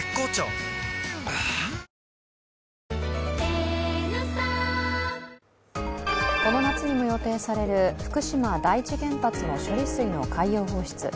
はぁこの夏にも予定される福島第一原発の処理水の海洋放出。